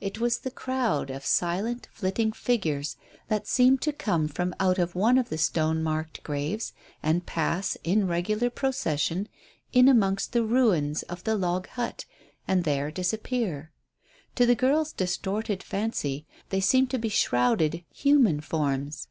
It was the crowd of silent flitting figures that seemed to come from out of one of the stone marked graves, and pass, in regular procession, in amongst the ruins of the log hut, and there disappear. To the girls' distorted fancy they seemed to be shrouded human forms.